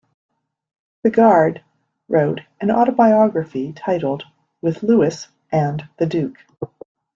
Bigard wrote an autobiography entitled "With Louis and The Duke".